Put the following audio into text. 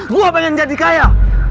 gue pengen jadi kaya